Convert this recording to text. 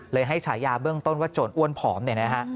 ให้ฉายาเบื้องต้นว่าโจรอ้วนผอมเนี่ยนะฮะ